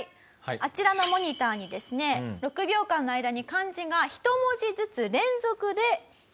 あちらのモニターにですね６秒間の間に漢字が１文字ずつ連続で表示されます。